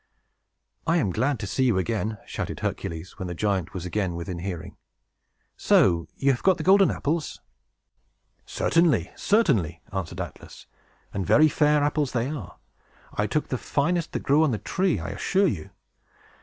"I am glad to see you again," shouted Hercules, when the giant was within hearing. "So you have got the golden apples?" "Certainly, certainly," answered Atlas; "and very fair apples they are. I took the finest that grew on the tree, I assure you.